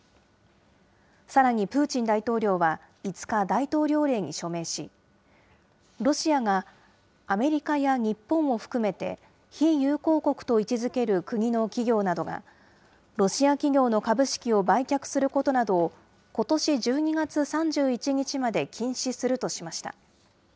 さらにプーチン大統領は、５日、大統領令に署名し、ロシアがアメリカや日本を含めて非友好国と位置づける国の企業などが、ロシア企業の株式を売却することなどを、ことし１２月３１日まで禁止するとしました。